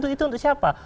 itu untuk siapa